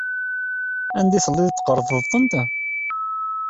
Anda ay telliḍ tqerrḍeḍ-tent?